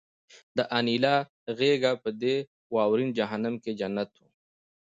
د انیلا غېږه په دې واورین جهنم کې جنت وه